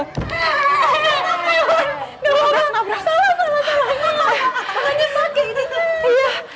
salah salah salah